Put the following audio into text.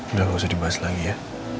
udah gak usah dibahas lagi ya